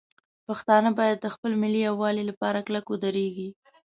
پښتانه باید د خپل ملي یووالي لپاره کلک ودرېږي.